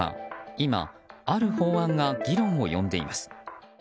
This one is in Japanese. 今、ある法案が議論を呼んでいます。